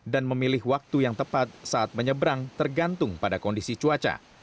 dan memilih waktu yang tepat saat menyeberang tergantung pada kondisi cuaca